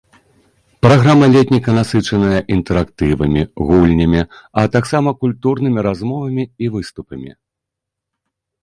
Праграма летніка насычаная інтэрактывамі, гульнямі, а таксама культурнымі размовамі і выступамі.